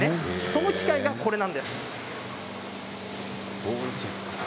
その機械がこれなんです。